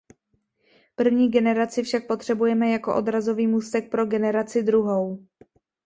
První generaci však potřebujeme jako odrazový můstek pro generaci druhou.